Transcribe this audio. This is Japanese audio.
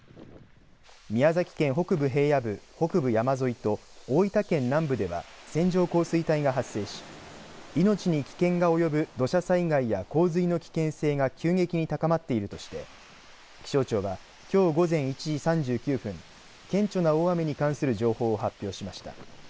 宮崎県北部平野部、北部山沿いと大分県南部では線状降水帯が発生し命に危険が及ぶ土砂災害や洪水の危険性が急激に高まっているとして気象庁は、きょう午前１時３９分顕著な大雨に関する情報を発表しました。